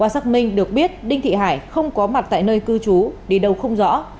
xác minh được biết đinh thị hải không có mặt tại nơi cư trú đi đâu không rõ